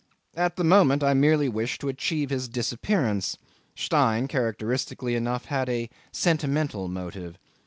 At the moment I merely wished to achieve his disappearance; Stein characteristically enough had a sentimental motive.